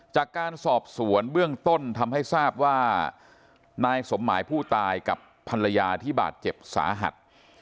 จากการสอบสวนเบื้องต้นทำให้ทราบว่านายสมหมายผู้ตายกับภรรยาที่บาดเจ็บสาหัส